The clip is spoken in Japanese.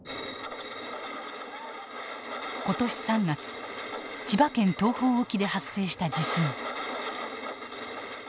今年３月千葉県東方沖で発生した地震。